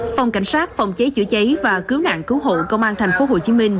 phòng cảnh sát phòng cháy chữa cháy và cứu nạn cứu hộ công an tp hcm